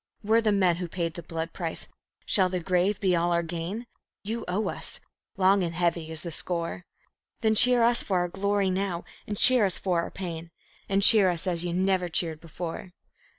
We're the men who paid the blood price. Shall the grave be all our gain? You owe us. Long and heavy is the score. Then cheer us for our glory now, and cheer us for our pain, And cheer us as ye never cheered before."